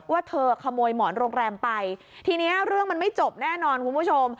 ว่าเธอขโมยหมอนโรงแรมไปทีนี้เรื่องมันไม่จบแน่นอนคุณผู้ชม